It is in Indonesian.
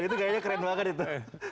itu kayaknya keren banget itu